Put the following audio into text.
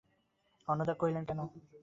অন্নদা কহিলেন, কেন?